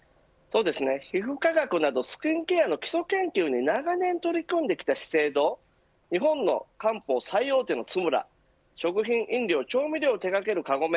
皮膚科学などスキンケアの基礎研究に長年取り組んできた資生堂日本の漢方最大手のツムラ食品飲料、調味料を手掛けるカゴメ